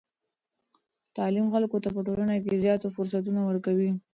تعلیم خلکو ته په ټولنه کې زیاتو فرصتونو ورکوي.